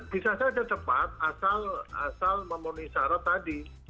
bisa saja cepat asal memenuhi syarat tadi